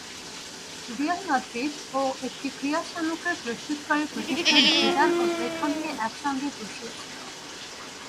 Real Madrid ও একটি ক্রীড়াসামগ্রী প্রস্তুতকারী প্রতিষ্ঠান জিদান ও বেকহামকে একসঙ্গে বসিয়েছিল।